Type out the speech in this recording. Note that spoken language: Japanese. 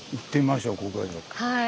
はい。